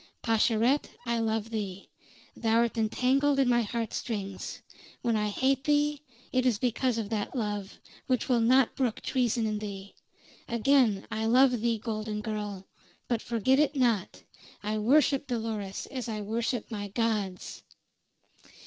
"Pascherette, I love thee. Thou'rt entangled in my heart strings. When I hate thee, it is because of that love, which will not brook treason in thee. Again, I love thee, golden girl; but, forget it not, I worship Dolores as I worship my gods!"